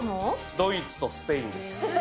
ドイツとスペインです。